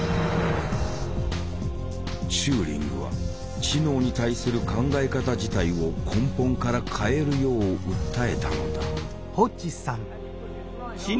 チューリングは知能に対する考え方自体を根本から変えるよう訴えたのだ。